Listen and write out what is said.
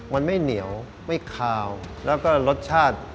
มันไม่เหนียวไม่คาวแล้วก็รสชาติ